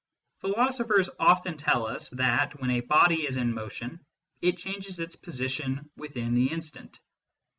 Philosophers often tell us that when a body is in motion, it changes its position within the instant.